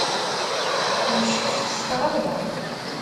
Yeccucef s tɣawla.